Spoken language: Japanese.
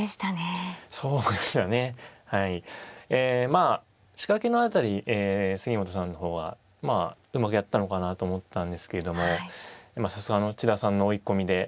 まあ仕掛けの辺り杉本さんの方はまあうまくやったのかなと思ったんですけれどもまあさすがの千田さんの追い込みで。